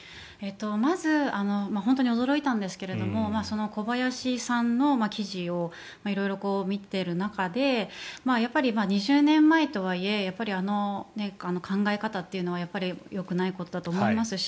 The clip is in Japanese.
まず本当に驚いたんですけどその小林さんの記事を色々見ている中でやっぱり２０年前とはいえあの考え方というのはやっぱりよくないことだと思いますし